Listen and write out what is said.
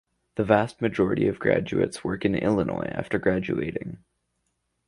The vast majority of graduates work in Illinois after graduating.